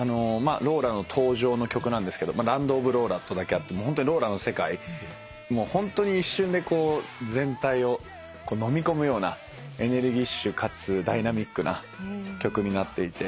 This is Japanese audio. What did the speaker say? ローラの登場の曲なんですけど『ＬＡＮＤＯＦＬＯＬＡ』とだけあってホントにローラの世界ホントに一瞬でこう全体をのみ込むようなエネルギッシュかつダイナミックな曲になっていて。